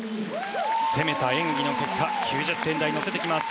攻めた演技の結果９０点台に乗せてきます。